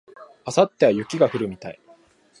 明後日は雪が降るみたい